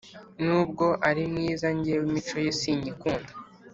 nubwo arimwiza ngewe imico ye sinyikunda